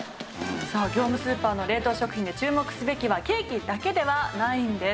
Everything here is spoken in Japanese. さあ業務スーパーの冷凍食品で注目すべきはケーキだけではないんです。